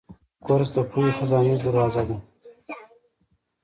کورس د پوهې خزانې ته دروازه ده.